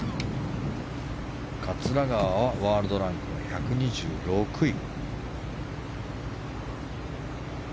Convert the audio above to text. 桂川はワールドランクは１２６位。